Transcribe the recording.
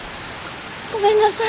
ごめんなさい。